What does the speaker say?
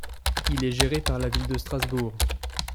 Il est géré par la ville de Strasbourg.